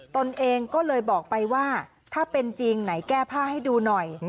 ตนเองก็เลยบอกไปว่าถ้าเป็นจริงไหนแก้ผ้าให้ดูหน่อย